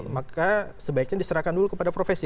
maka sebaiknya diserahkan dulu kepada profesi